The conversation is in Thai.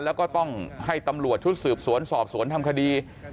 แล้วก็ต้องให้ตำรวจชุดสืบสวนสอบสวนทำคดี